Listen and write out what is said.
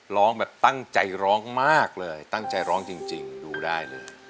ร้องแบบตั้งใจร้องมากเลยตั้งใจร้องจริงดูได้เลย